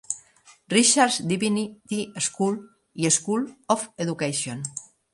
Richards Divinity School i School of Education.